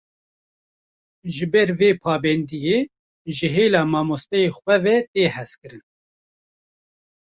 Ji ber vê pabendiyê, ji hêla mamoste xwe ve, tê hezkirin